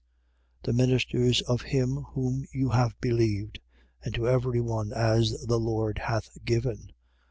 3:5. The ministers of him whom you have believed: and to every one as the Lord hath given.